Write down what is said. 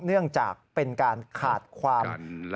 เนื่องจากเป็นการขาดความ